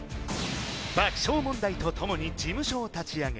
爆笑問題とともに事務所を立ち上げ